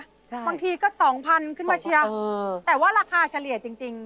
ได้ชิบน้อยชะบางทีก็๒๐๐๐ขึ้นมาเชียวแต่ว่าราคาเฉลี่ยจริง